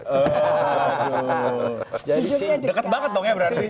aduh dekat banget dong ya berarti